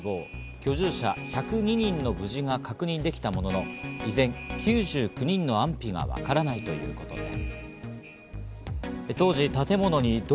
居住者１０２人の無事が確認できたものの、依然９９人の安否がわからないということです。